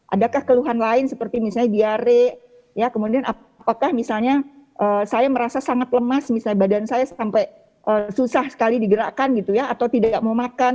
adakah keluhan lain seperti misalnya diare kemudian apakah misalnya saya merasa sangat lemas misalnya badan saya sampai susah sekali digerakkan gitu ya atau tidak mau makan